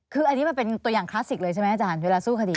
คืออันนี้มันเป็นตัวอย่างคลาสสิกเลยใช่ไหมอาจารย์เวลาสู้คดี